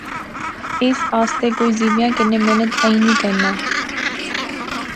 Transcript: اس آسطے کوئی زیوِیاں کنے محنت ای نی کرنا